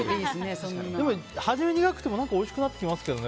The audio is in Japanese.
初め苦くてもおいしくなってきますけどね。